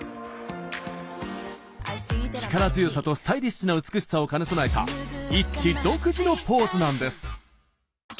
力強さと、スタイリッシュな美しさを兼ね備えたＩＴＺＹ独自のポーズなんです。